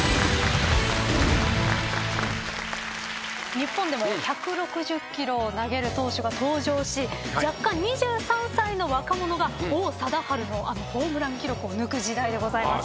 日本でも１６０キロを投げる投手が登場し弱冠２３歳の若者が王貞治のホームラン記録を抜く時代です。